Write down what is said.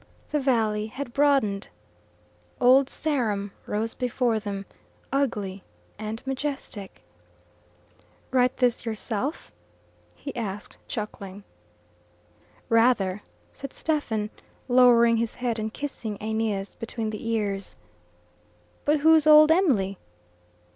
The valley had broadened. Old Sarum rose before them, ugly and majestic. "Write this yourself?" he asked, chuckling. "Rather," said Stephen, lowering his head and kissing Aeneas between the ears. "But who's old Em'ly?"